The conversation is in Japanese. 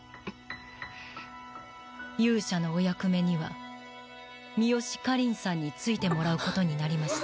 勇者のお役目には三好夏凜さんに就いてもらうことになりました。